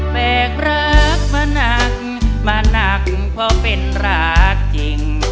แบกรักมาหนักมาหนักเพราะเป็นรักจริง